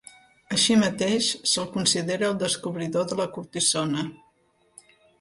Així mateix se'l considera el descobridor de la cortisona.